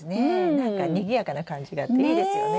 なんかにぎやかな感じがあっていいですよね。ね！